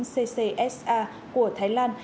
ccsa của thái lan